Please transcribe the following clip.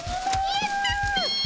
やったっピ！